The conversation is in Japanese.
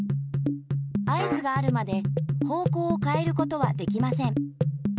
合図があるまで方こうをかえることはできません。